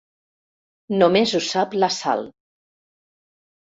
Només ho sap la Sal.